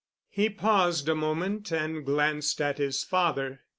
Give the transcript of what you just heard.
He paused a moment and glanced at his father.